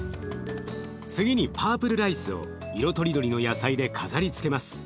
次にパープルライスを色とりどりの野菜で飾りつけます。